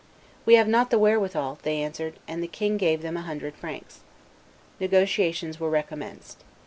"We have not the wherewithal," they answered; and the king gave them a hundred francs. Negotiations were recommenced.